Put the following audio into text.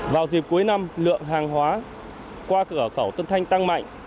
vào dịp cuối năm lượng hàng hóa qua cửa khẩu tân thanh tăng mạnh